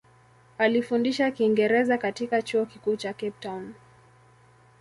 Alifundisha Kiingereza katika Chuo Kikuu cha Cape Town.